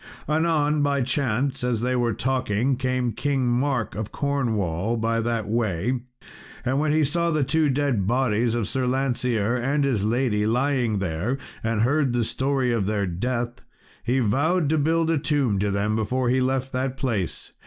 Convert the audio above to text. Anon by chance, as they were talking, came King Mark, of Cornwall, by that way, and when he saw the two dead bodies of Sir Lancear and his lady lying there, and heard the story of their death, he vowed to build a tomb to them before he left that place.